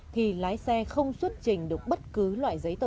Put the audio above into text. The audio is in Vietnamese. thì lái xe không xuất trình được bất cứ loại giấy tờ